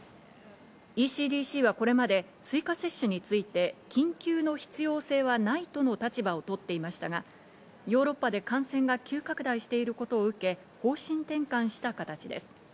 ＥＣＤＣはこれまで追加接種について緊急の必要性はないとの立場をとっていましたが、ヨーロッパで感染が急拡大していることを受け、方針転換した形です。